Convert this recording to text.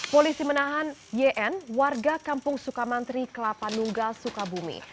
polisi menahan yn warga kampung sukamantri kelapa nunggal sukabumi